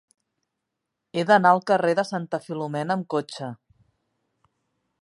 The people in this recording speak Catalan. He d'anar al carrer de Santa Filomena amb cotxe.